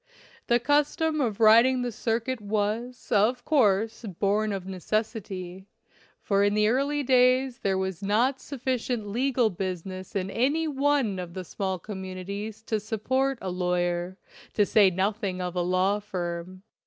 The custom of riding the circuit was, of course, born of necessity, for in the early days there was 167 LINCOLN THE LAWYER not sufficient legal business in any one of the small communities to support a lawyer, to say nothing of a law firm.